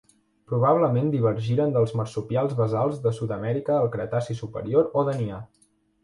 Probablement divergiren dels marsupials basals de Sud-amèrica al Cretaci superior o Danià.